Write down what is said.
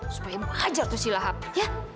supaya ibu ajar tuh si lahap ya